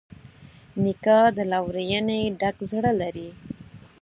نیکه د لورینې ډک زړه لري.